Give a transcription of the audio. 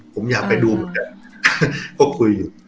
ผมอยากไปดูกันเขาคุยอยู่